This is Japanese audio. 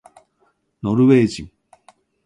ノルウェー人